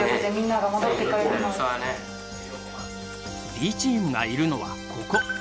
Ｂチームがいるのはここ。